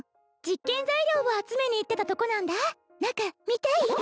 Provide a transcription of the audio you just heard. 実験材料を集めに行ってたとこなんだ中見たい？